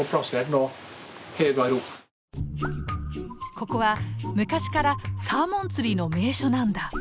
ここは昔からサーモン釣りの名所なんだ。